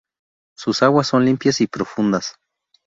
Sus aguas son limpias y profundas.